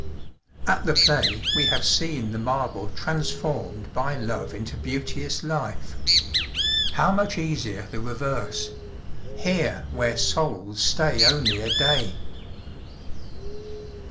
At the play we have seen the marble transformed by love into beauteous life. How much easier the reverse here where souls stay only a day!